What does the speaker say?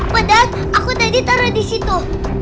padahal aku tadi taruh di situ